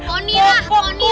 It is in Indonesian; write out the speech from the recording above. poni lah poni lah